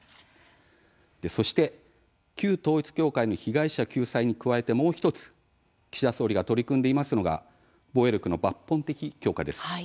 そして旧統一教会の被害者救済に加えて、もう１つ岸田総理が取り組んでいますのが防衛力の抜本的強化です。